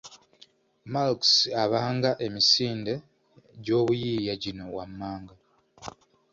Malx abanga emisingi gy’obuyiiya gino wammanga: